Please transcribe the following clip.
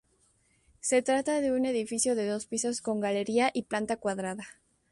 Se trata de un edificio de dos pisos con galería y planta cuadrada.